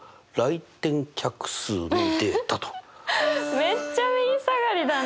めっちゃ右下がりだね！